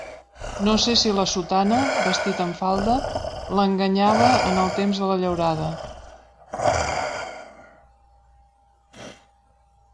No sé si la sotana, vestit amb falda, l'enganyava en el temps de la llaurada.